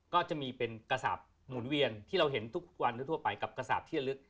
ก็จะมีเป็นกระสาปหมุนเวียนที่เราเห็นทุกวันทั่วไปกับกระสาปที่ระลึก